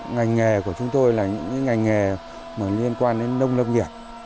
ngành nghề của chúng tôi là những ngành nghề liên quan đến nông lâm nghiệp